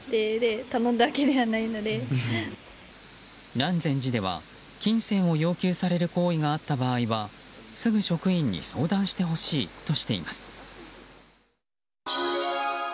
南禅寺では、金銭を要求される行為があった場合はすぐ職員に相談してほしいとしています。